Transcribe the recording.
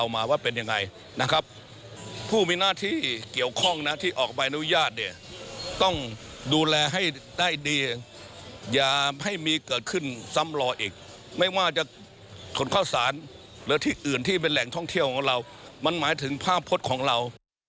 ไม่ว่าจะถนนเข้าศาลหรือที่อื่นที่เป็นแหล่งท่องเที่ยวของเรามันหมายถึงภาพพฤตของเรา